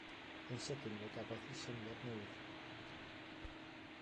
Yn sydyn fe gafodd hi syniad newydd.